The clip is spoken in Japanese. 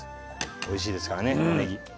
おいしいですからね、ねぎ。